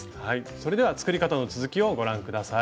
それでは作り方の続きをご覧下さい。